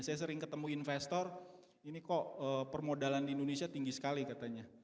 saya sering ketemu investor ini kok permodalan di indonesia tinggi sekali katanya